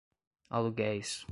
aluguéis